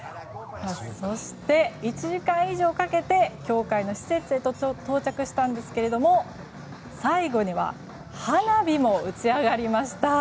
そして、１時間以上かけて協会の施設へと到着したんですが最後には花火も打ち上がりました。